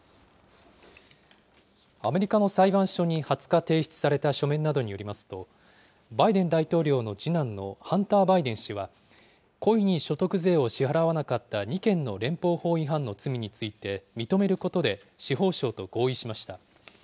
アメリカの裁判所に２０日提出された書面などによりますと、バイデン大統領の次男のハンター・バイデン氏は、故意に所得税を支払わなかった２件の連邦法違反の罪について認めることで、司法省と合意しました。